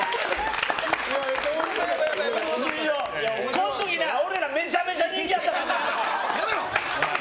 この時、俺らめちゃめちゃ人気あったからな！